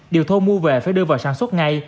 điều thô mua về phải đưa vào sản xuất ngay